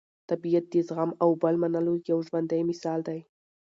طبیعت د زغم او بل منلو یو ژوندی مثال دی.